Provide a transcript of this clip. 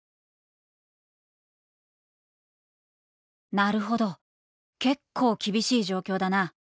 「なるほど結構厳しい状況だな。